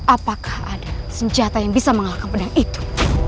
apakah ada senjata yang bisa mengalahkan pedang itu